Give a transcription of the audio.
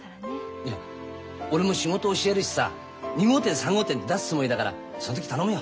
いや俺も仕事教えるしさ２号店３号店って出すつもりだからその時頼むよ。